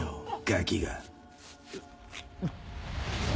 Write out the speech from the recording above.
ガキが。